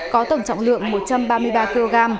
có tổng trọng lượng một trăm ba mươi ba kg